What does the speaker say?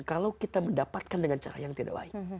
kalau kita mendapatkan dengan cara yang tidak baik